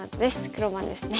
黒番ですね。